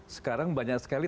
sekarang banyak sekali